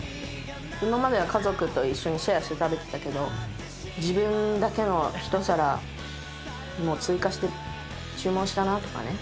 今までは家族と一緒にシェアして食べてたけど自分だけの一皿追加して注文したなとかね。